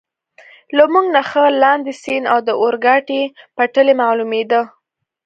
له موږ نه ښه لاندې، سیند او د اورګاډي پټلۍ معلومېده.